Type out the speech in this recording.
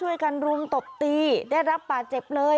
ช่วยกันรุมตกตีได้รับป่าเจ็บเลย